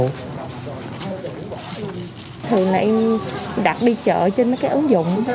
thường này đặt đi chợ trên mấy cái ứng dụng